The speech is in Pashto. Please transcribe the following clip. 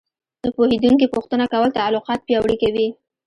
له پوهېدونکي پوښتنه کول تعلقات پیاوړي کوي.